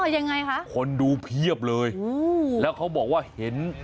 ยังไงคะคนดูเพียบเลยอืมแล้วเขาบอกว่าเห็น